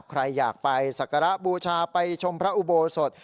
ใครอยากไปสักการะบูชาไปชมพระอุโบสถ